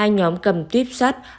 hai nhóm cầm tuyếp sắt